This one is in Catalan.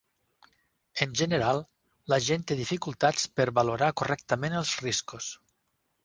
En general, la gent té dificultats per valorar correctament els riscos.